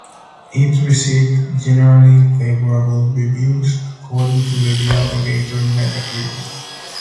It received "generally favorable reviews" according to review aggregator Metacritic.